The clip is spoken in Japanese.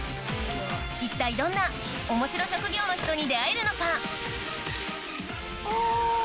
一体どんなおもしろ職業の人に出会えるのかおい。